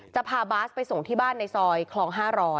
จะพาบาสไปส่งที่บ้านในซอยคลอง๕๐๐